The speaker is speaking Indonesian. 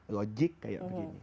logik kayak begini